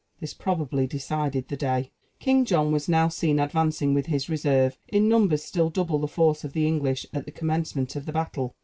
This probably decided the day. King John was now seen advancing with his reserve, in numbers still double the force of the English at the commencement of the battle.